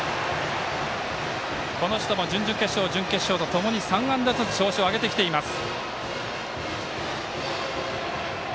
この人も準々決勝、準決勝と３安打ずつ調子を上げてきています。